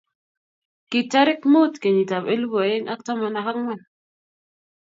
Kii tarik mut kenyit ab elpu aeng ak taman ak ang'wan